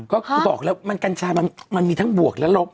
ก็คือบอกแล้วมันกัญชามันมีทั้งบวกและลบ